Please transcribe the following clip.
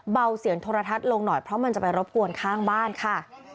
เสียงโทรทัศน์ลงหน่อยเพราะมันจะไปรบกวนข้างบ้านค่ะ